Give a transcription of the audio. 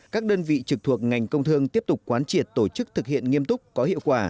các đơn vị trực thuộc ngành công thương tiếp tục quán triệt tổ chức thực hiện nghiêm túc có hiệu quả